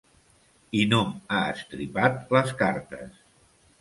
I no ha estripat les cartes.